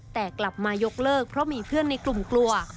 แต่กลับมายกเลิกเพราะมีเพื่อนในกลุ่มกลัว